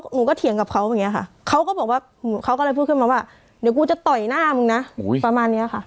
หนูก็เถียงกับเขาอย่างนี้ค่ะเขาก็บอกว่าเขาก็เลยพูดขึ้นมาว่าเดี๋ยวกูจะต่อยหน้ามึงนะประมาณเนี้ยค่ะ